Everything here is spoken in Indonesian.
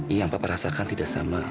yang papa rasakan tidak sama